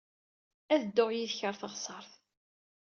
Ad ddukleɣ yid-k ɣer teɣsert.